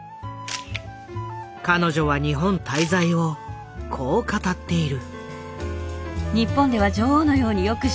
彼女は日本滞在をこう語っている。